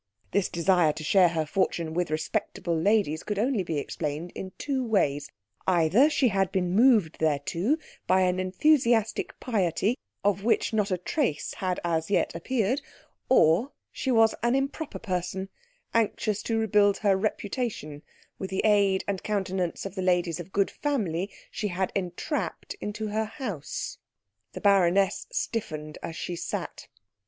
This desire to share her fortune with respectable ladies could only be explained in two ways: either she had been moved thereto by an enthusiastic piety of which not a trace had as yet appeared, or she was an improper person anxious to rebuild her reputation with the aid and countenance of the ladies of good family she had entrapped into her house. The baroness stiffened as she sat.